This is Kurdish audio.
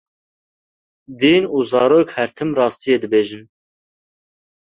Dîn û zarok her tim rastiyê dibêjin.